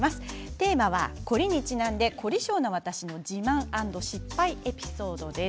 テーマは凝りにちなんで凝り性な私の自慢失敗エピソードです。